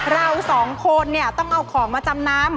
เราสองคนเนี่ยต้องเอาของมาจำนำ